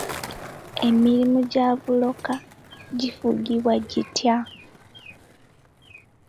Emirimu gya bbulooka gifugibwa gitya?